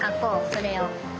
それを。